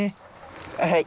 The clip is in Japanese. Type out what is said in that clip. はい。